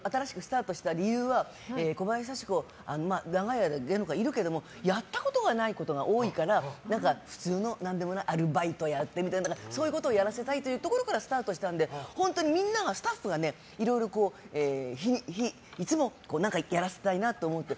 もともとこれが新しくスタートした理由は小林幸子、長い間芸能界いるけどもやったことがないことが多いから普通の何でもないアルバイトやってみたりとかそういうことをやらせたいというところからスタートしたので本当にみんな、スタッフがねいろいろいつも何かやらせたいなと思って。